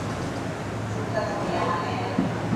tutatumia maneno.